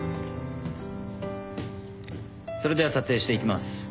それでは撮影していきます。